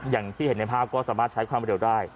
อย่างที่เห็นในภาพก็สามารถใช้ความเร็วได้